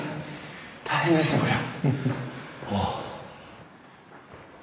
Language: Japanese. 大変ですねこりゃ。